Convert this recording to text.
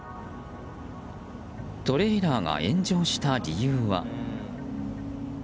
トレーラーが炎上した理由は。